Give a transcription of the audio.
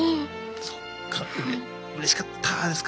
そっかうれしかったですか？